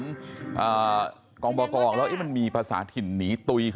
กลางบ่อกองแล้วมีภาษาถิ่นนีตุย